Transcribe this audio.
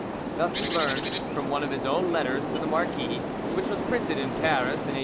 This we learn from one of his own letters to the marquis, which was printed in Paris in 1817.